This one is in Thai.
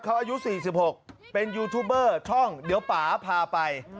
เขาอายุ๔๖เป็นยูทูบเบอร์ช่องเดี๋ยวป่าพาไป